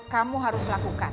kamu harus lakukan